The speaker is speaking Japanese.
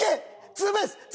ツーベース！